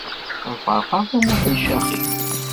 Ad ferqeɣ tamurt n Caxim.